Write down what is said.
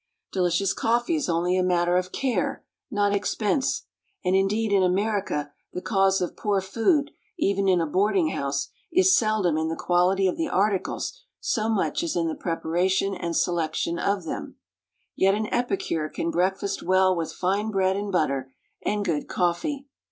Delicious coffee is only a matter of care, not expense and indeed in America the cause of poor food, even in a boarding house, is seldom in the quality of the articles so much as in the preparation and selection of them yet an epicure can breakfast well with fine bread and butter and good coffee.